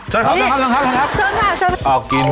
ช่วยขอบคุณครับ